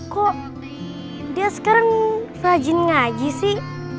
kok dia sekarang rajin ngaji sih